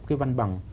cái văn bằng